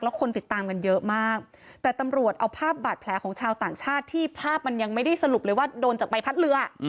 คนติดตามกันเยอะมากแต่ตำรวจเอาภาพบาดแผลของชาวต่างชาติที่ภาพมันยังไม่ได้สรุปเลยว่าโดนจากใบพัดเรือ